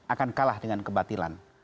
akan kalah dengan kebatilan